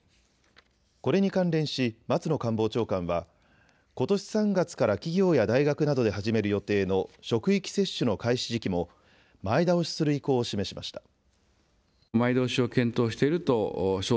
これに関連し、松野官房長官はことし３月から企業や大学などで始める予定の職域接種の開始時期も前倒しする意向を示しました。